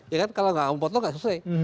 ya kan kalau enggak dipotong enggak selesai